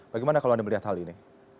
bagaimana kalau anda melihat hal ini